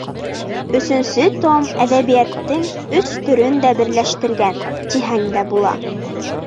Өсөнсө том әҙәбиәттең өс төрөн дә берләштергән, тиһәң дә була.